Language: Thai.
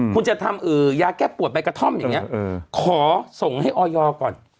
คุณจะทำยาแก้ปวดใบกระท่อมอย่างนี้ขอส่งให้ออยก่อน